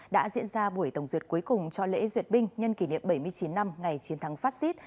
đã diễn ra buổi tổng duyệt cuối cùng cho lễ duyệt binh nhân kỷ niệm bảy mươi chín năm ngày chiến thắng phát xít